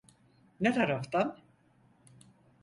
Ne taraftan?